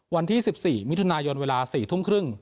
วันที่๑๔มิถุนายนเวลา๔ทุ่มครึ่ง